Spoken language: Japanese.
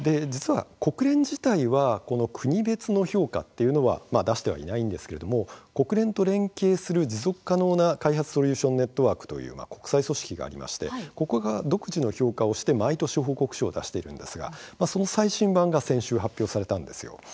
国連自体は国別の評価というのは出していないんですが国連と連携する「持続可能な開発ソリューション・ネットワーク」という国際組織がありまして独自の評価をして毎年報告書を出しているんですが、その最新版が先週発表されました。